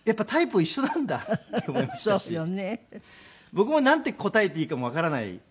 僕もなんて答えていいかもわからない